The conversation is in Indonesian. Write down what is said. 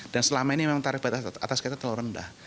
dan selama ini memang tarif batas atas kita telur rendah